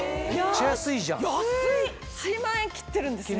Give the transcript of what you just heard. １万円切ってるんですね。